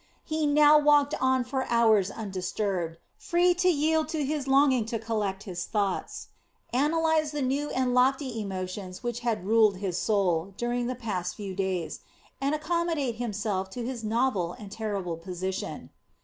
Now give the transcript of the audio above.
He now walked on for hours undisturbed, free to yield to his longing to collect his thoughts, analyze the new and lofty emotions which had ruled his soul during the past few days, and accommodate himself to his novel and terrible position.